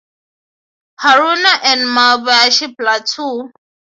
Haruna and Maebashi plateau.